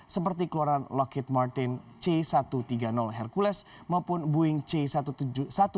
seperti keluaran lockheed martin c satu ratus tiga puluh hercules maupun boeing c tujuh belas cargo jet